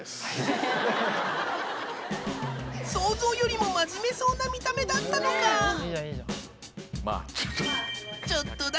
想像よりも真面目そうな見た目だったのかハハハ！